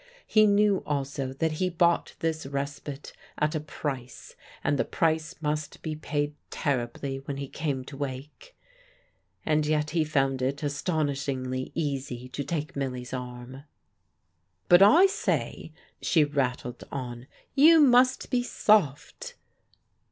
He knew also that he bought this respite at a price, and the price must be paid terribly when he came to wake. And yet he found it astonishingly easy to take Milly's arm. "But I say," she rattled on, "you must be soft!"